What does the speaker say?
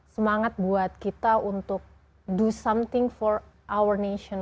semangat buat kita untuk do something for our nation